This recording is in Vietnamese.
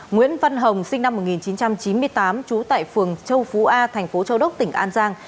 nguyễn văn hồng sinh năm một nghìn chín trăm chín mươi tám trú tại phường châu phú a thành phố châu đốc tỉnh an giang